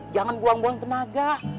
jangan buang buang tenaga